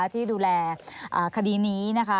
ที่ดูแลคดีนี้นะคะ